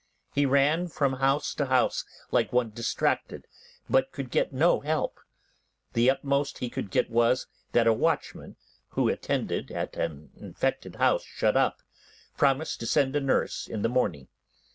He ran from house to house like one distracted, but could get no help; the utmost he could get was, that a watchman, who attended at an infected house shut up, promised to send a nurse in the morning.